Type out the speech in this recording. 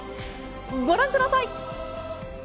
ご覧ください！